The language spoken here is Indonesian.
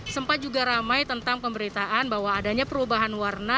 sempat juga ramai tentang pemberitaan bahwa adanya perubahan warna